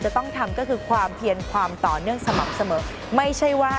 จะต้องทำก็คือความเพียรความต่อเนื่องสม่ำเสมอไม่ใช่ว่า